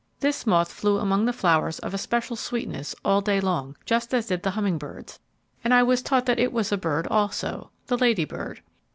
This moth flew among the flowers of especial sweetness all day long, just as did the hummingbirds; and I was taught that it was a bird also the Lady Bird.